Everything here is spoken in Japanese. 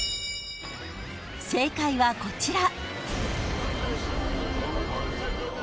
［正解はこちら］